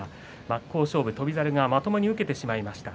真っ向勝負翔猿、受けてしまいました。